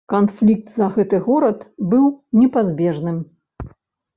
Канфлікт за гэты горад быў непазбежным.